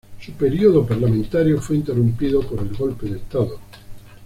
Su período parlamentario fue interrumpido por el Golpe de Estado.